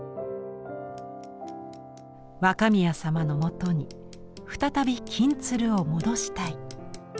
若宮様のもとに再び金鶴を戻したい。